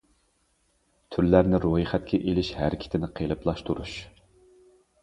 تۈرلەرنى رويخەتكە ئېلىش ھەرىكىتىنى قېلىپلاشتۇرۇش.